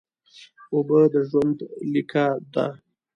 اوبه د ژوند لیکه ده